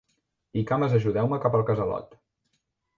I cames ajudeu-me cap al casalot.